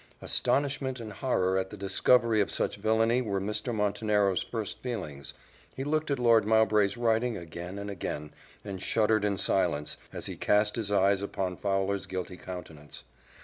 Astonishment and horror at the discovery of such villany were Mr. Montenero's first feelings he looked at Lord Mowbray's writing again and again, and shuddered in silence, as he cast his eyes upon Fowler's guilty countenance.